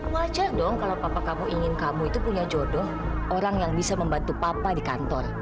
wacah dong kalau papa kamu ingin kamu itu punya jodoh orang yang bisa membantu papa di kantor